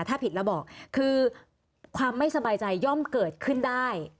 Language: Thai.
ถ้าผิดแล้วบอกคือความไม่สบายใจย่อมเกิดขึ้นได้